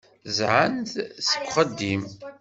Ẓẓɛen-t seg uxeddim.